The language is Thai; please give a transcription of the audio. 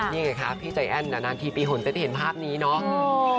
นี่ไงคะพี่ใจแอ้นนานทีปีหนเต็ดเห็นภาพนี้เนาะ